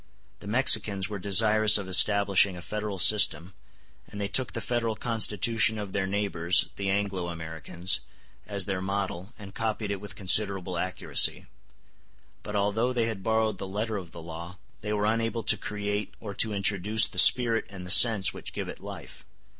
The Mexicans were desirous of establishing a federal system, and they took the Federal Constitution of their neighbors, the Anglo Americans, as their model, and copied it with considerable accuracy. *s But although they had borrowed the letter of the law, they were unable to create or to introduce the spirit and the sense which give it life.